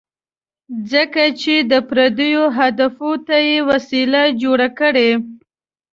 ځکه چې د پردو اهدافو ته یې وسیله جوړه کړې.